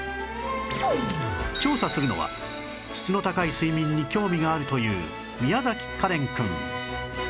調査するのは質の高い睡眠に興味があるという宮香蓮くん